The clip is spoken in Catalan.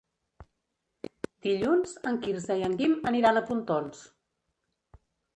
Dilluns en Quirze i en Guim aniran a Pontons.